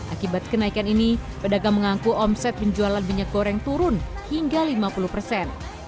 akibat kenaikan ini pedagang mengaku omset penjualan minyak goreng turun hingga lima puluh persen